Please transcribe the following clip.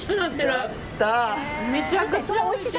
めちゃくちゃおいしい。